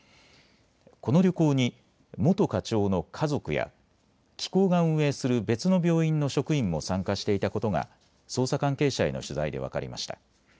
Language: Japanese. この旅行に元課長の家族や機構が運営する別の病院の職員も参加していたことが捜査関係者への取材で分かりました。